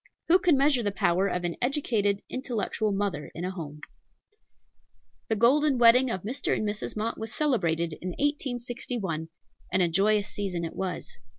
Who can measure the power of an educated, intellectual mother in a home? The golden wedding of Mr. and Mrs. Mott was celebrated in 1861, and a joyous season it was.